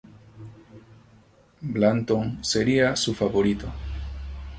Blanton sería su favorito.